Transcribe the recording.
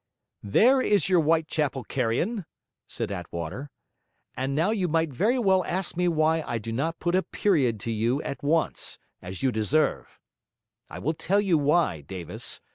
'There is your Whitechapel carrion!' said Attwater. 'And now you might very well ask me why I do not put a period to you at once, as you deserve. I will tell you why, Davis.